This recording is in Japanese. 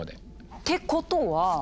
ってことは。